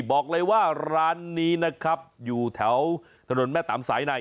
บอกเลยว่าร้านนี้นะครับอยู่แถวถนนแม่ตามสายใน